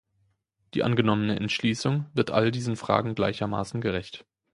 Die angenommene Entschließung wird all diesen Fragen gleichermaßen gerecht.